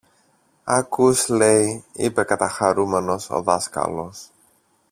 Ακούς λέει! είπε καταχαρούμενος ο δάσκαλος.